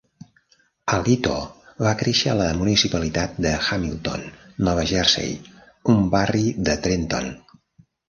Alito va créixer a la municipalitat de Hamilton, Nova Jersey, un barri de Trenton.